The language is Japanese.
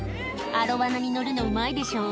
「アロワナに乗るのうまいでしょ」